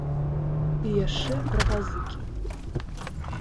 І яшчэ пра пазыкі.